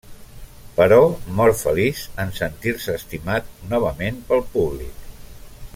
Però mor feliç en sentir-se estimat novament pel públic.